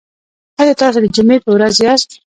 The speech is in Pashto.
ایا تاسو د جمعې په ورځ یاست؟